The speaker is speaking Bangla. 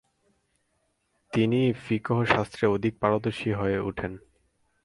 তিনি ফিকহ শাস্ত্রে অধিক পারদর্শী হয়ে উঠেন।